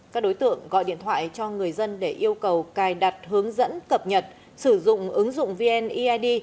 các đối tượng gọi điện thoại cho người dân để yêu cầu cài đặt hướng dẫn cập nhật sử dụng ứng dụng vneid